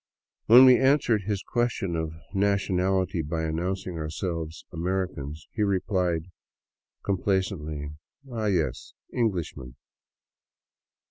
When we answered his question of nationality by announcing ourselves Americans, he replied compla cently, " Ah, yes. Englishmen.'